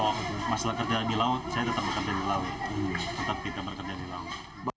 kalau masalah kerja di laut saya tetap bekerja di laut tetap kita bekerja di laut